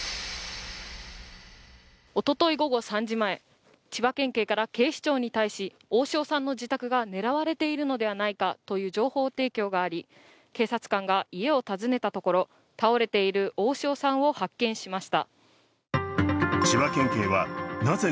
おととい午後３時前、千葉県警から警視庁に対し、大塩さんの自宅が狙われているのではないかという情報提供があり警察官が家を訪ねたところ、倒れている大塩さんを発見しました。